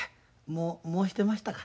もうしてましたか。